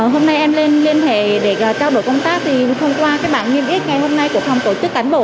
hôm nay em lên liên hệ để trao đổi công tác thì thông qua cái bản nghiêm ích ngày hôm nay của phòng tổ chức cán bộ